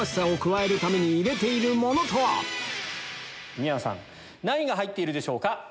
宮野さん何が入っているでしょうか？